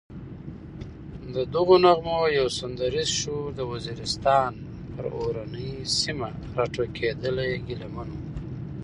ددغو نغمو یو سندریز شور د وزیرستان پر اورنۍ سیمه راټوکېدلی ګیله من و.